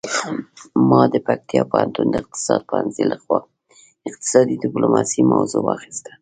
ما د پکتیا پوهنتون د اقتصاد پوهنځي لخوا اقتصادي ډیپلوماسي موضوع واخیسته